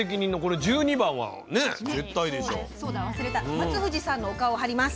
松藤さんのお顔をはります。